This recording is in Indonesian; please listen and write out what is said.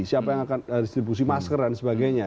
siapa yang akan distribusi masker dan sebagainya